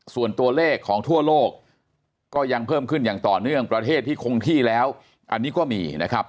ส่วนตัวเลขของทั่วโลกก็ยังเพิ่มขึ้นอย่างต่อเนื่องประเทศที่คงที่แล้วอันนี้ก็มีนะครับ